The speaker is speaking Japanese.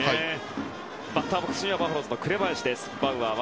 バッターボックスにはバファローズの紅林です。